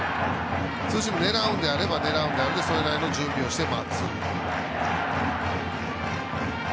ツーシーム狙うのであれば狙うでそれなりの準備をして待つ。